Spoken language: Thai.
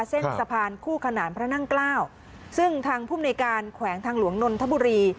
เส้นทางคู่ขนานพระนั่งเกล้าซึ่งทางภูมิในการแขวงทางหลวงนนทบุรี